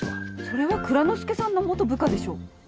それは蔵之介さんの元部下でしょ。